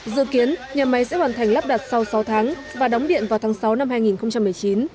dự kiến nhà máy sẽ hoàn thành lắp đặt sau sáu tháng và đóng điện vào tháng sáu năm hai nghìn một mươi chín